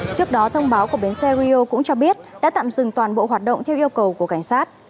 trước đó thông báo của bến xe rio cũng cho biết đã tạm dừng toàn bộ hoạt động theo yêu cầu của cảnh sát